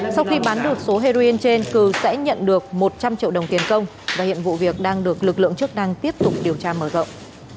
sau khi bán được số heroin trên cường sẽ nhận được một trăm linh triệu đồng tiền công và hiện vụ việc đang được lực lượng chức năng tiếp tục điều tra mở rộng